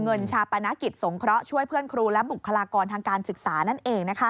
ชาปนกิจสงเคราะห์ช่วยเพื่อนครูและบุคลากรทางการศึกษานั่นเอง